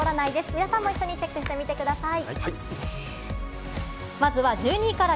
皆さんも一緒にチェックしてみてください。